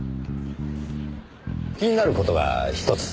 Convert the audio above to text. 気になる事が１つ。